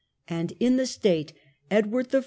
And in the state Edward I.